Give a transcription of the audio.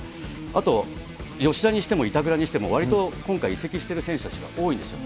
あと吉田にしても板倉にしてもわりと今回移籍してる選手たちが多いんですよ。